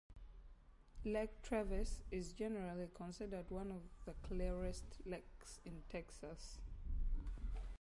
Lake Travis is generally considered one of the clearest lakes in Texas.